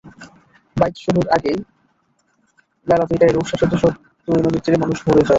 বাইচ শুরুর আগেই বেলা দুইটায় রূপসা সেতুসহ দুই নদীর তীর মানুষে ভরে যায়।